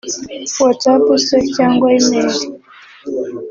whatsapp se cyangwa Email